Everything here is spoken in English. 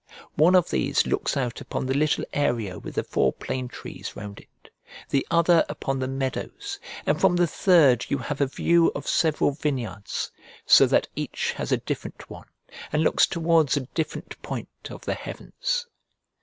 One of these looks out upon the little area with the four plane trees round it, the other upon the meadows, and from the third you have a view of several vineyards, so that each has a different one, and looks towards a different point of the heavens.